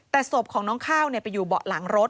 แต่ศพของน้องข้าวไปอยู่เบาะหลังรถ